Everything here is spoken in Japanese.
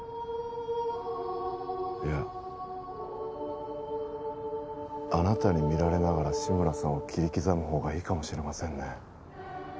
いやあなたに見られながら志村さんを切り刻むほうがいいかもしれませんね